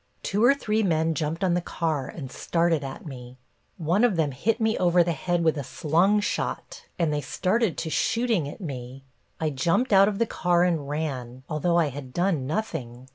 Two or three men jumped on the car and started at me. One of them hit me over the head with a slungshot, and they started to shooting at me. I jumped out of the car and ran, although I had done nothing.